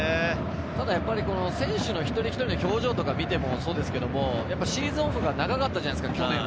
選手一人一人の表情を見てもそうですけれど、シーズンオフが長かったじゃないですか、去年は。